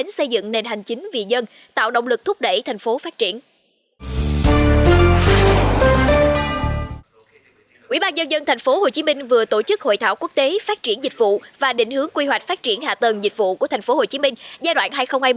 nhân thành phố hồ chí minh vừa tổ chức hội thảo quốc tế phát triển dịch vụ và định hướng quy hoạch phát triển hạ tầng dịch vụ của thành phố hồ chí minh giai đoạn hai nghìn hai mươi hai nghìn ba mươi